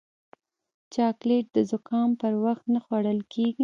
چاکلېټ د زکام پر وخت نه خوړل کېږي.